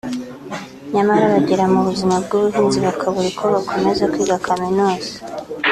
nyamara bagera mu buzima bw’ubuhunzi bakabura uko bakomeza kwiga kaminuza